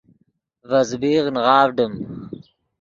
ڤے زبیغ نغاڤڈیم